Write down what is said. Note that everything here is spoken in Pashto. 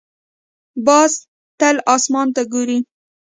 باز تل اسمان ته ګوري